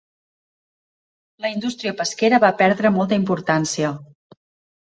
La indústria pesquera va perdre molta importància.